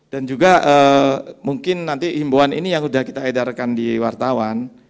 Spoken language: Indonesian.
dan juga mungkin nanti imbuan ini yang sudah kita edarkan di wartawan